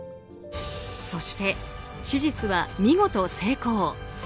そして、手術は見事成功。